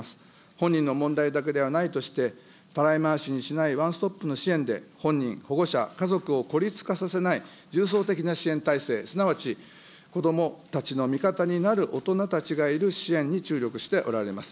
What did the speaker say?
本人の問題だけではないとして、たらい回しにしないワンストップの支援で、本人、保護者、家族を孤立化させない重層的な支援体制、すなわち、子どもたちの味方になる大人たちがいる支援に注力しておられます。